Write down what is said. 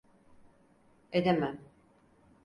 Edemem.